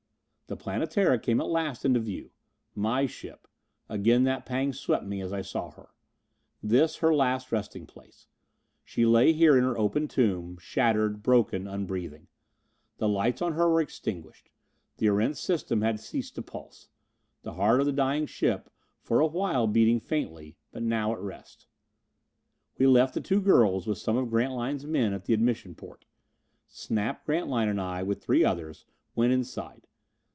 The Planetara came at last into view. My ship. Again that pang swept me as I saw her. This, her last resting place. She lay here in her open tomb, shattered, broken, unbreathing. The lights on her were extinguished. The Erentz system had ceased to pulse the heart of the dying ship, for a while beating faintly, but now at rest. We left the two girls with some of Grantline's men at the admission port. Snap, Grantline and I, with three others, went inside.